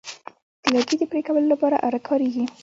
د لرګي د پرې کولو لپاره آره کاریږي.